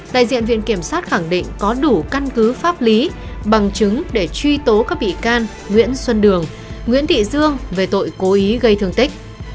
đại diện viện kiểm sát khẳng định có đủ căn cứ pháp lý bằng chứng để truy tố các bị can nguyễn xuân đường nguyễn thị dương về tội cố ý gây thương tích